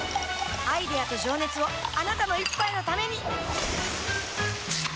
アイデアと情熱をあなたの一杯のためにプシュッ！